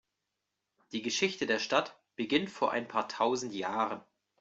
Die Geschichte der Stadt beginnt vor ein paar tausend Jahren.